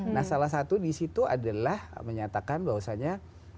nah salah satu di situ adalah menyatakan bahwasannya